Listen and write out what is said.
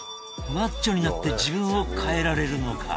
マッチョになって自分を変えられるのか？